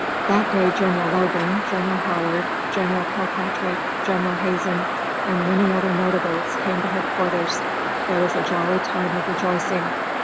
That day General Logan, General Howard, General Kilpatrick, General Hazen, and many other notables came to headquarters. There was a jolly time of rejoicing.